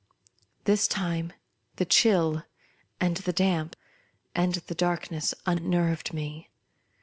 This time the chill, and the damp, and the darkness unnerved me.